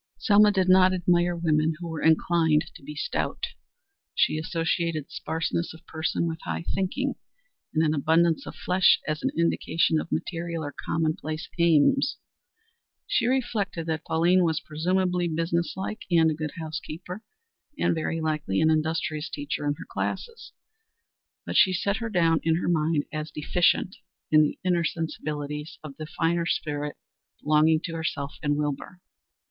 Selma did not admire women who were inclined to be stout. She associated spareness of person with high thinking, and an abundance of flesh as an indication of material or commonplace aims. She reflected that Pauline was presumably business like and a good house keeper, and, very likely, an industrious teacher in her classes, but she set her down in her mind as deficient in the finer sensibilities of the spirit belonging to herself and Wilbur.